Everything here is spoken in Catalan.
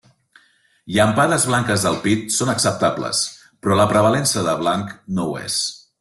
Llampades blanques del pit són acceptables, però la prevalença de blanc no ho és.